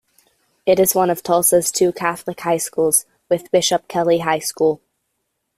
It is one of Tulsa's two Catholic high schools, with Bishop Kelley High School.